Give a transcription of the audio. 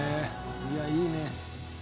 いやいいね。